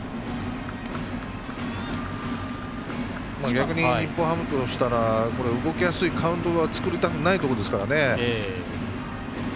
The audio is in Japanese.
逆に日本ハムとしたら動きやすいカウントは作りたくないところですからね。